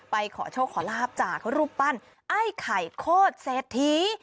ขอโชคขอลาบจากรูปปั้นไอ้ไข่โคตรเศรษฐี